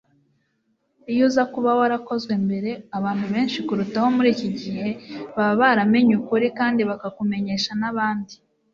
iyo uza kuba warakozwe mbere, abantu benshi kurutaho muri iki gihe baba baramenye ukuri, kandi bakakumenyesha n'abandi